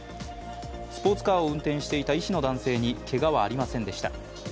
スポーツカーを運転していた医師の男性にけがはありませんでした。